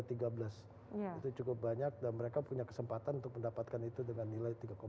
itu cukup banyak dan mereka punya kesempatan untuk mendapatkan itu dengan nilai tiga empat